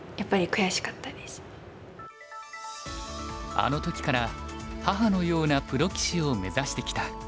あの時から母のようなプロ棋士を目指してきた。